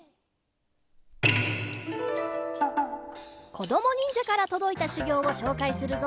こどもにんじゃからとどいたしゅぎょうをしょうかいするぞ！